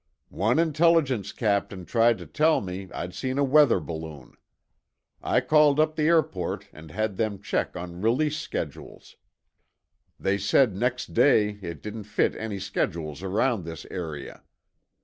"One Intelligence captain tried to tell me I'd seen a weather balloon. I called up the airport and had them check on release schedules. They said next day it didn't fit any schedules around this area.